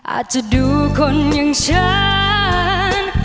อาจจะดูคนอย่างฉัน